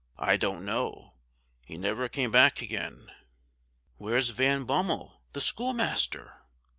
I don't know he never came back again." "Where's Van Bummel, the schoolmaster?"